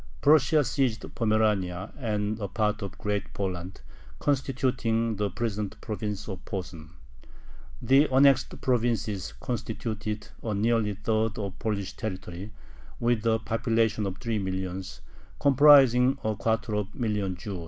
Prussia seized Pomerania and a part of Great Poland, constituting the present province of Posen. The annexed provinces constituted nearly a third of Polish territory, with a population of three millions, comprising a quarter of a million Jews.